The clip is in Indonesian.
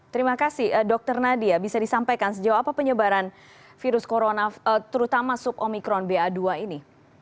terima kasih dokter nadia bisa disampaikan sejauh apa penyebaran virus corona terutama sub omikron ba dua ini